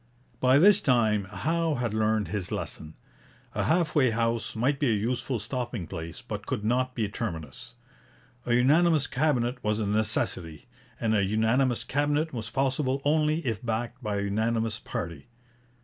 By this time Howe had learned his lesson. A half way house might be a useful stopping place, but could not be a terminus. A unanimous Cabinet was a necessity, and a unanimous Cabinet was possible only if backed by a unanimous party.